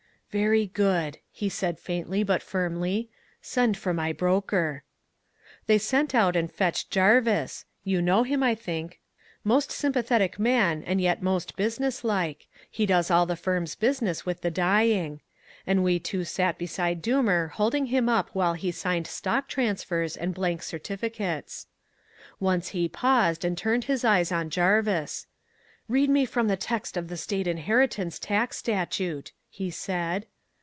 "'Very good,' he said faintly but firmly, 'send for my broker.' "They sent out and fetched Jarvis, you know him I think, most sympathetic man and yet most business like he does all the firm's business with the dying, and we two sat beside Doomer holding him up while he signed stock transfers and blank certificates. "Once he paused and turned his eyes on Jarvis. 'Read me from the text of the State Inheritance Tax Statute,' he said.